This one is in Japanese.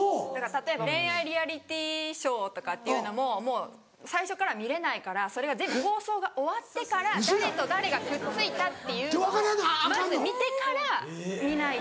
例えば恋愛リアリティーショーとかっていうのももう最初からは見れないからそれが全部放送が終わってから誰と誰がくっついたっていうのをまず見てから見ないと。